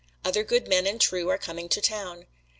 Other good men and true are coming to town.